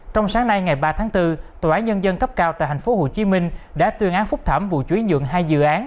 trong sáng nay ngày ba tháng bốn tòa án nhân dân cấp cao tại tp hcm đã tuyên án phúc thảm vụ chú ý nhượng hai dự án